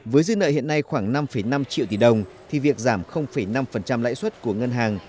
với dư nợ hiện nay khoảng năm năm triệu tỷ đồng thì việc giảm năm lãi suất của ngân hàng